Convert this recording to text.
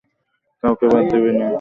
কাউকে বাদ দিবি না।